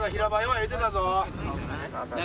言うてたぞ。